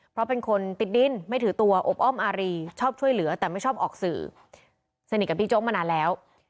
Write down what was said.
เพราะเป็นคนติดดินไม่ถือตัวอบอ้อมอารีชอบช่วยเหลือแต่ไม่ชอบออกสื่อสนิทกับบิ๊กโจ๊กมานานแล้ว